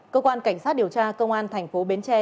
cơ quan cảnh sát điều tra công an tp bến tre